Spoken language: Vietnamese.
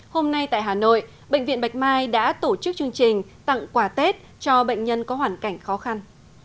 hôm nay tại hà nội bệnh viện bạch mai đã tổ chức chương trình tặng quà tết cho bệnh nhân có hoàn cảnh khó khăn